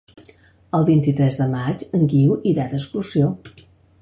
El vint-i-tres de maig en Guiu irà d'excursió.